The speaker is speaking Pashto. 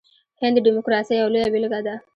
هند د ډیموکراسۍ یوه لویه بیلګه ده.